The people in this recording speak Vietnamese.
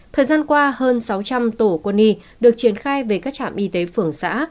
thời gian qua hơn sáu trăm linh tổ quân y được triển khai về các trạm y tế phường xã